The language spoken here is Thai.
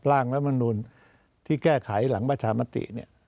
ร่างรัฐมนุนที่แก้ไขหลังประชามติเนี่ย